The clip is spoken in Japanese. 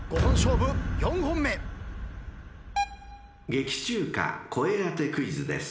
［劇中歌声当てクイズです］